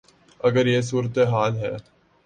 اگر یہ صورتحال ہے۔